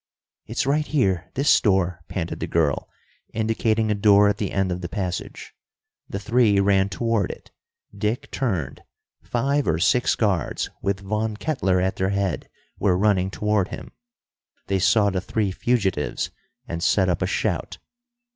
"It's right here. This door!" panted the girl, indicating a door at the end of the passage. The three ran toward it. Dick turned. Five or six guards with Von Kettler at their head, were running toward him. They saw the three fugitives and set up a shout.